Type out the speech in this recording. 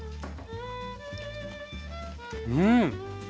うん！